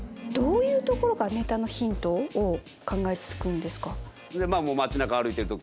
どういうところからネタのヒントを考えつくんですか？